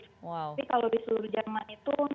tapi kalau di seluruh jerman itu